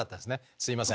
すいません。